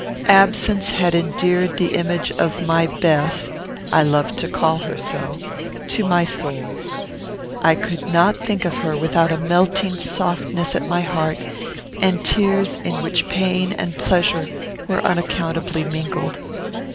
Absence had endeared the image of my Bess I loved to call her so to my soul. I could not think of her without a melting softness at my heart, and tears in which pain and pleasure were unaccountably mingled.